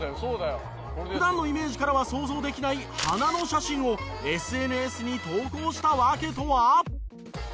普段のイメージからは想像できない花の写真をＳＮＳに投稿した訳とは？